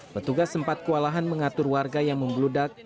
petugas sempat kualahan mengatur warga yang membludat